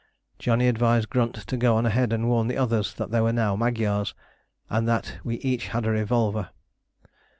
Johnny advised Grunt to go on ahead and warn the others that we were now Magyars, and that we each had a revolver.